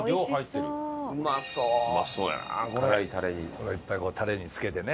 これをいっぱいこうタレにつけてね。